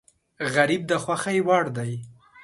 غریب د خوښۍ وړ دی